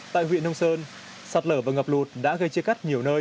tại huyện nông sơn sạt lở và ngập lụt đã gây chia cắt nhiều nơi